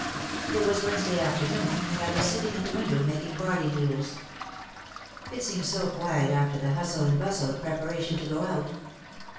It was Wednesday afternoon and I was sitting at the window making barley noodles. It seemed so quiet after the hustle and bustle of preparation to go out.